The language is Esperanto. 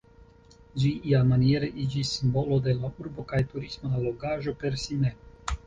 Ĝi iamaniere iĝis simbolo de la urbo kaj turisma allogaĵo per si mem.